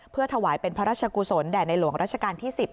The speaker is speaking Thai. เพื่อถวายเป็นพระราชกุศลแด่ในหลวงราชการที่๑๐